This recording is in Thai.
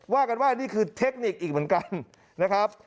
ว่ากันว่านี่คือเทคนิคอีกเหมือนกันนะครับ